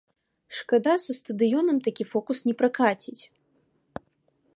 Шкада, са стадыёнам такі фокус не пракаціць.